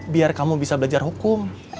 biar kamu bisa belajar hukum